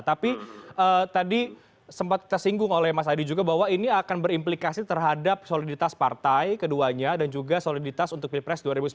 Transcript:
tapi tadi sempat tersinggung oleh mas adi juga bahwa ini akan berimplikasi terhadap soliditas partai keduanya dan juga soliditas untuk pilpres dua ribu sembilan belas